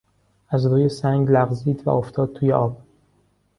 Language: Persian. از روی سنگ لغزید و افتاد توی آب.